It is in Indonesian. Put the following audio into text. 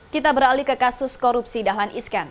kita beralih ke kasus korupsi dahlan iskan